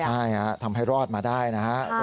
ใช่ทำให้รอดมาได้นะครับ